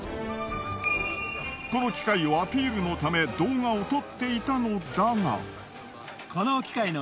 この機械をアピールのため動画を撮っていたのだが。